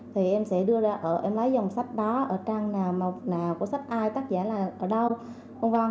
thì em sẽ đưa ra em lấy dòng sách đó trang nào màu nào sách ai tác giả là ở đâu v v